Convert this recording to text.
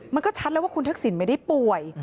มันก็ชัดแล้วว่าคุณทักษิณไม่ได้ป่วย